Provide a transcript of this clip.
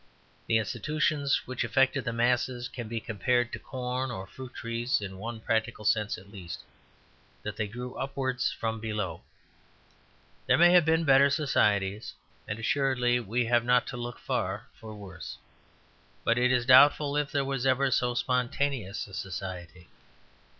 The institutions which affected the masses can be compared to corn or fruit trees in one practical sense at least, that they grew upwards from below. There may have been better societies, and assuredly we have not to look far for worse; but it is doubtful if there was ever so spontaneous a society.